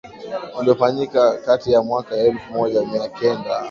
uliofanyika kati ya mwaka elfu moja mia kenda